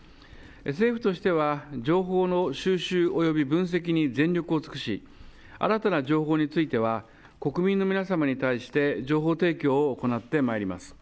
政府としては、情報の収集及び分析に全力を尽くし新たな情報については国民の皆さまに対して情報提供を行ってまいります。